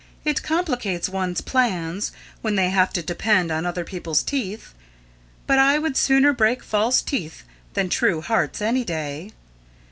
It complicates one's plans, when they have to depend on other people's teeth. But I would sooner break false teeth than true hearts, any day.